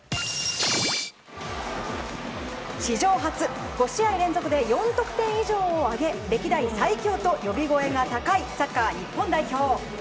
史上初、５試合連続で４得点以上を上げ歴代最強と呼び声が高いサッカー日本代表。